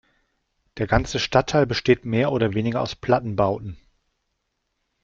Der ganze Stadtteil besteht mehr oder weniger aus Plattenbauten.